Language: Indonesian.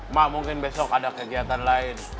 mak mungkin besok ada kegiatan lain